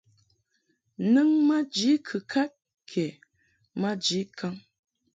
Nɨŋ maji kɨkad kɛ maji kaŋ.